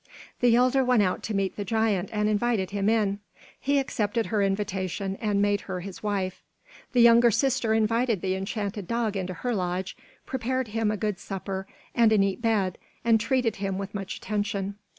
The elder went out to meet the giant and invited him in. He accepted her invitation and made her his wife. The younger sister invited the enchanted dog into her lodge, prepared him a good supper and a neat bed, and treated him with much attention.